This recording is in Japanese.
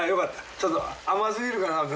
ちょっと甘すぎるかなって。